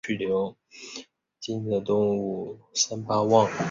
小鼩鼱为鼩鼱科鼩鼱属的动物。